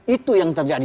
itu yang terjadi